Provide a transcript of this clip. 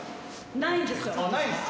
ないんですね。